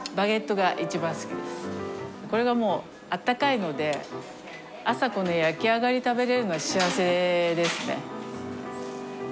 これがもうあったかいので朝この焼き上がり食べれるのは幸せですね。